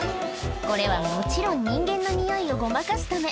これはもちろん人間のにおいをごまかすため。